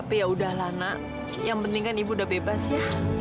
indah betul pak